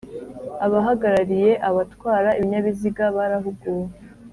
abahagarariye abatwara ibinyabiziga barahuguwe